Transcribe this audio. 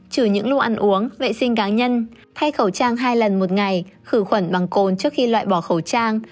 trừ những lưu ăn uống vệ sinh cá nhân thay khẩu trang hai lần một ngày khử khuẩn bằng cồn trước khi loại bỏ khẩu trang